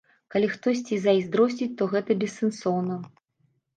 Калі хтосьці і зайздросціць, то гэта бессэнсоўна.